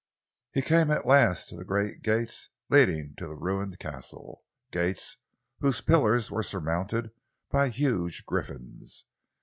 He came at last to the great gates leading to the ruined castle, gates whose pillars were surmounted by huge griffins.